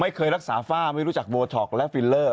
ไม่เคยรักษาฝ้าไม่รู้จักโบท็อกและฟิลเลอร์